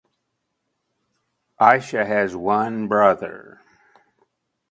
Aisha has one brother.